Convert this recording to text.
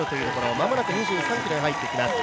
間もなく２３ｋｍに入っていきます。